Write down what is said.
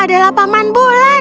kau adalah paman bulan